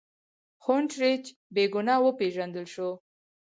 هونټریج بې ګناه وپېژندل شو.